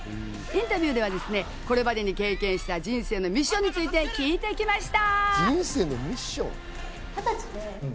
インタビューではですね、３人がこれまでに経験した人生のミッションについて聞いてきました。